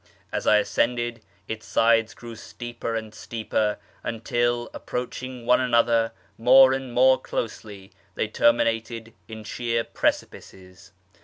As I ascended, its sides grew steeper and steeper, until, approaching one another more and more closely, they terminated in sheer precipices.